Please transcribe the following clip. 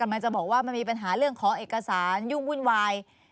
มันจะบอกว่ามันมีปัญหาเรื่องของเอกสารยุ่งวุ่นวาย